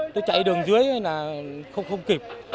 tôi chạy đường dưới là không kịp